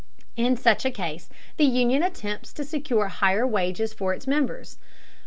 In such a case, the union attempts to secure higher wages for its members.